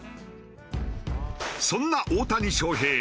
そんな大谷翔平